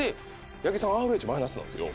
八木さんＲｈマイナスなんですよ。